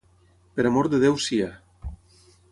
Per amor de Déu sia!